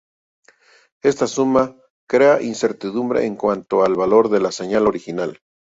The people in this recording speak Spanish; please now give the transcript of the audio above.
Esta suma crea incertidumbre en cuanto al valor de la señal original.